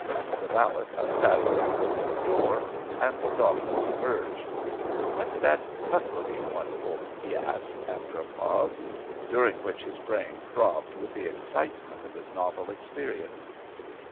The valet unfastened the little door, and Dawson emerged. "What's that tough looking one for?" he asked, after a pause, during which his brain throbbed with the excitement of his novel experience.